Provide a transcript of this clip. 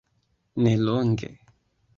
nelonge